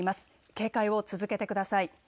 警戒を続けてください。